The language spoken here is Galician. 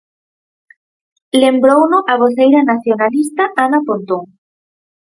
Lembrouno a voceira nacionalista, Ana Pontón.